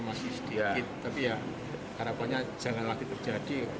masih sedikit tapi ya harapannya jangan lagi terjadi